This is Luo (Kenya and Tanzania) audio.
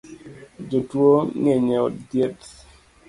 Jotuo ng’eny e od thieth